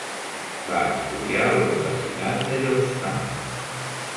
Va estudiar a la Universitat de Georgetown.